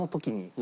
何？